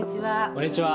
こんにちは。